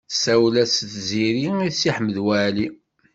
Tsawel-as Tiziri i Si Ḥmed Waɛli.